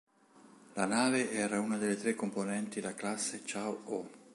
La nave era una delle tre componenti la classe "Chao Ho".